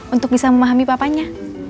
untuk bisa memahami papahnya